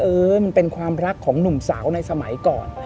เออมันเป็นความรักของหนุ่มสาวในสมัยก่อน